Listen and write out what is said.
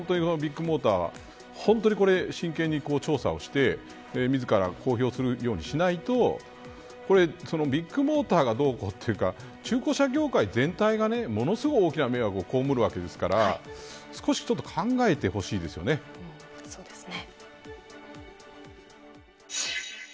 ビッグモーターは本当に真剣に調査をして自ら公表するようにしないとビッグモーターがどうこうというか中古車業界全体がものすごく大きな迷惑を被るわけですからそうですね。